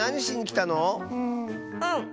うん。